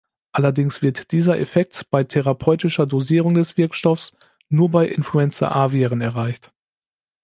Allerdings wird dieser Effekt bei therapeutischer Dosierung des Wirkstoffs nur bei Influenza-A-Viren erreicht.